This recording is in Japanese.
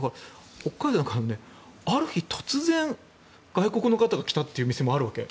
北海道なんかもある日突然外国の方が来たという店もあるわけ。